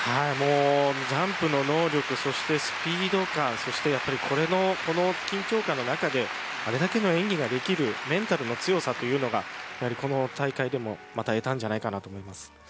ジャンプの能力そしてスピード感そしてやっぱりこの緊張感の中であれだけの演技ができるメンタルの強さというのがやはりこの大会でもまた得たんじゃないかと思います。